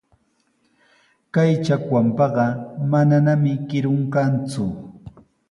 Kay chakwanpaqa mananami kirun kanku.